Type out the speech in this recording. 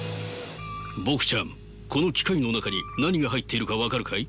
僕ちゃんこの機械の中に何が入っているか分かるかい？